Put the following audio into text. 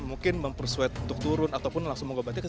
mungkin mempersuat untuk turun ataupun langsung mengobati